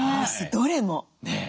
どれも。